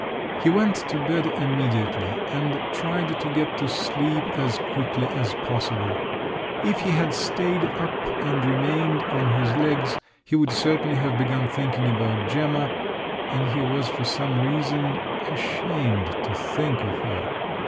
He went to bed immediately, and tried to get to sleep as quickly as possible. If he had stayed up and remained on his legs, he would certainly have begun thinking about Gemma, and he was for some reason … ashamed to think of her.